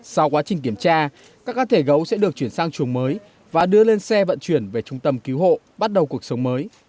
sau quá trình kiểm tra các cá thể gấu sẽ được chuyển sang chuồng mới và đưa lên xe vận chuyển về trung tâm cứu hộ bắt đầu cuộc sống mới